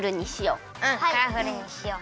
うんカラフルにしよう。